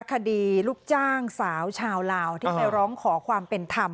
คดีลูกจ้างสาวชาวลาวที่ไปร้องขอความเป็นธรรม